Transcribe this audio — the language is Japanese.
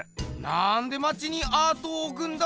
なんでまちにアートをおくんだ？